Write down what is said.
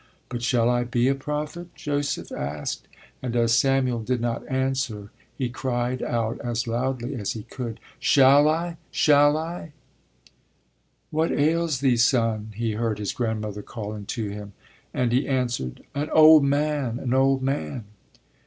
But shall I be a prophet? Joseph asked, and as Samuel did not answer he cried out as loudly as he could: shall I? shall I? What ails thee, Son? he heard his grandmother calling to him, and he answered: an old man, an old man.